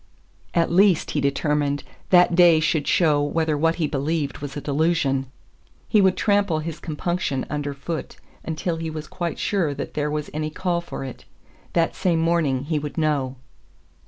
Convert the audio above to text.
At least, he determined, that day should show whether what he believed was a delusion. He would trample his compunction underfoot until he was quite sure that there was any call for it. That same morning he would know.